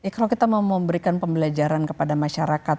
kalau kita mau memberikan pembelajaran kepada masyarakat